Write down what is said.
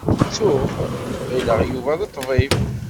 Tuɣ ɣilleɣ Yuba d ṭṭbib.